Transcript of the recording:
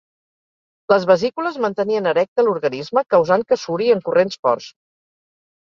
Les vesícules mantenien erecte l'organisme, causant que suri en corrents forts.